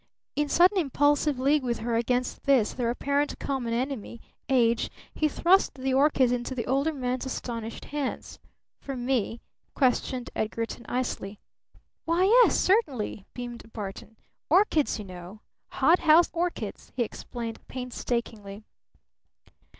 In sudden impulsive league with her against this, their apparent common enemy, Age, he thrust the orchids into the older man's astonished hands. "For me?" questioned Edgarton icily. "Why, yes certainly!" beamed Barton. "Orchids, you know! Hothouse orchids!" he explained painstakingly.